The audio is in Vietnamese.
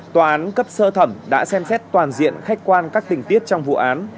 tòa án cấp sơ thẩm đã xem xét toàn diện khách quan các tình tiết trong vụ án